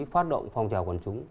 phát động phong trào quần chúng